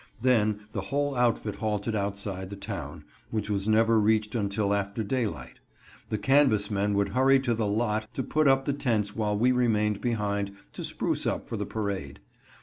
Then the whole outfit halted outside the town, which was never reached until after daylight. The canvas men would hurry to the "lot" to put up the tents while we remained behind to spruce up for the parade.